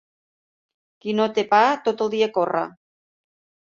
Qui no té pa tot el dia corre.